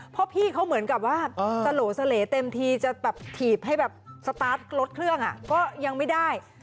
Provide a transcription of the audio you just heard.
เพราะพี่เขาเหมือนกับว่าสโหลเสล่เต็มทีจะแบบถีบให้แบบสตาร์ทรถเครื่องก็ยังไม่ได้